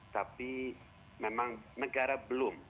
tapi memang negara belum